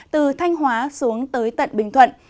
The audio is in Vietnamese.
từ thanh hóa xuống tới tận bình thuận